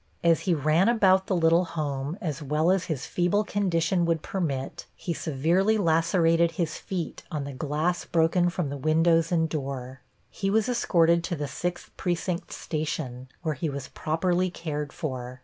As he ran about the little home as well as his feeble condition would permit he severely lacerated his feet on the glass broken from the windows and door. He was escorted to the Sixth Precinct station, where he was properly cared for.